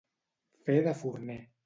Fer de forner.